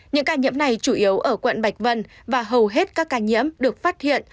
những ca nhiễm này chủ yếu ở quận bạch vân và hầu hết các ca nhiễm được phát hiện